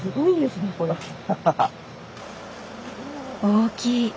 大きい！